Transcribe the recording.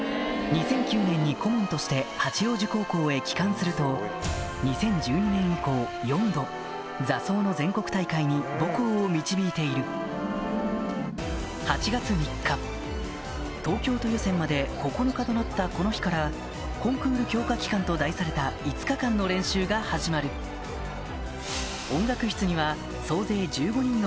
２００９年に顧問として八王子高校へ帰還すると２０１２年以降４度座奏の全国大会に母校を導いているとなったこの日から「コンクール強化期間」と題された５日間の練習が始まる音楽室にはが集結